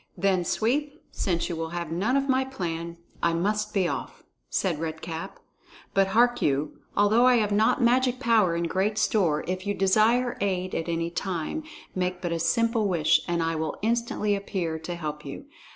"Then, Sweep, since you will have none of my plan, I must be off," said Red Cap. "But hark you; although I have not magic power in great store, if you desire aid at any time, make but a simple wish, and I will instantly appear to help you.